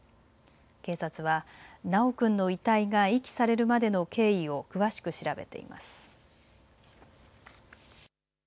警察は修君の遺体が遺棄されるまでの経緯を詳しく調べています。